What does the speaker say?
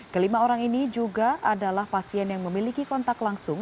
kelima orang ini juga adalah pasien yang memiliki kontak langsung